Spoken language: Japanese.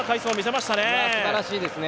すばらしいですね。